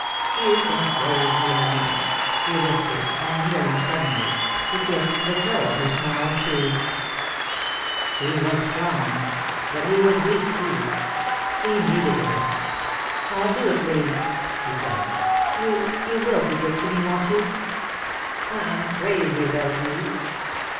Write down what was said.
"You can save me, honey," he whispered, and kneeling suddenly, he kissed the toe of her small shoe. He was strong. But he was weak too. He needed her. "I'll do it, Louis," she said. "You you will be good to me, won't you?" "I'm crazy about you."